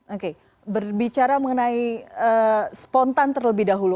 oke berbicara mengenai spontan terlebih dahulu